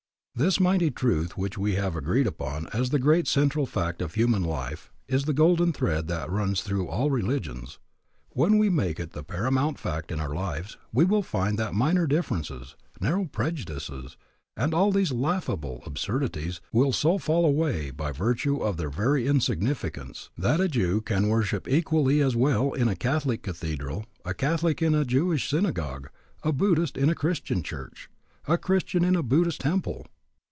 This mighty truth which we have agreed upon as the great central fact of human life is the golden thread that runs through all religions. When we make it the paramount fact in our lives we will find that minor differences, narrow prejudices, and all these laughable absurdities will so fall away by virtue of their very insignificance, that a Jew can worship equally as well in a Catholic cathedral, a Catholic in a Jewish synagogue, a Buddhist in a Christian church, a Christian in a Buddhist temple.